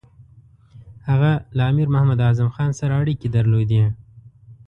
هغه له امیر محمد اعظم خان سره اړیکې درلودې.